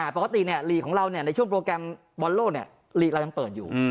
ปราธีนะลีกของเราในช่วงโปรแกรมบอลโลเลยังเปิดอยู่